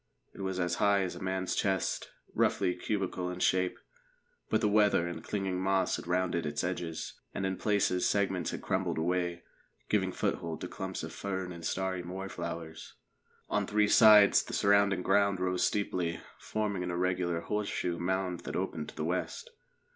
It was as high as a man's chest, roughly cubical in shape; but the weather and clinging moss had rounded its edges, and in places segments had crumbled away, giving foothold to clumps of fern and starry moor flowers. On three sides the surrounding ground rose steeply, forming an irregular horseshoe mound that opened to the west.